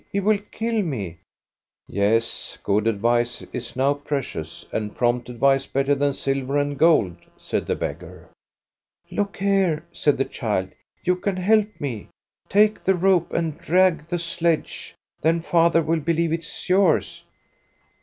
He will kill me !"" Yes, good advice is now precious, and prompt advice better than silver and gold," said the beggar. " Look here," said the child, " you can help me. Take the rope and drag the sledge ; then father will believe it is yours."